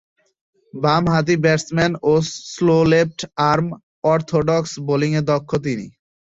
বামহাতি ব্যাটসম্যান ও slow left arm orthodox বোলিংয়ে দক্ষ তিনি।